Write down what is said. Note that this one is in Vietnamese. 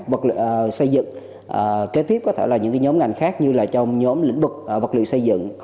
vật liệu xây dựng kế tiếp có thể là những nhóm ngành khác như là trong nhóm lĩnh vực vật liệu xây dựng